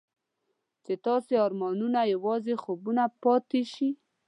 چې ستاسو ارمانونه یوازې خوبونه پاتې شي.